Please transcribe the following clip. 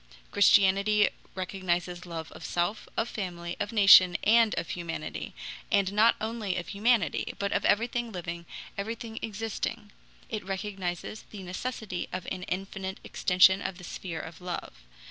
Christianity recognizes love of self, of family, of nation, and of humanity, and not only of humanity, but of everything living, everything existing; it recognizes the necessity of an infinite extension of the sphere of love.